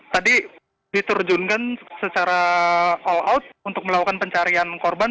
tadi diterjunkan secara all out untuk melakukan pencarian korban